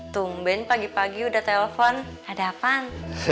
tunggu pagi pagi udah telpon ada apaan